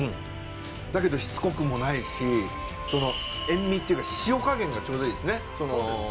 だけどしつこくもないし塩味っていうか塩加減がちょうどいいですね。